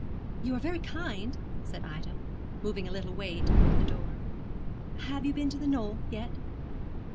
'You are very kind,' said Ida, moving a little way towards the door. 'Have you been to The Knoll yet?'